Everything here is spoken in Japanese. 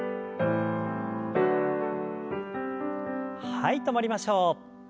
はい止まりましょう。